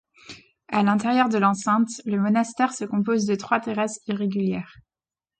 À l’intérieur de l’enceinte, le monastère se compose de trois terrasses irrégulières.